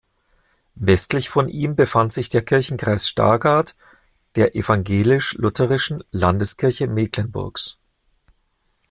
Westlich von ihm befand sich der Kirchenkreis Stargard der Evangelisch-Lutherischen Landeskirche Mecklenburgs.